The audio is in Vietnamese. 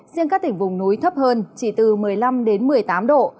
riêng các tỉnh vùng núi thấp hơn chỉ từ một mươi năm đến một mươi tám độ